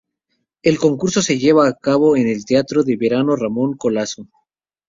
El concurso se lleva a cabo en el Teatro de Verano Ramón Collazo.